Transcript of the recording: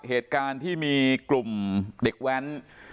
เหตุการณ์ที่มีกลุ่มเด็กแว้น